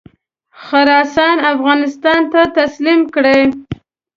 خراسان افغانستان ته تسلیم کړي.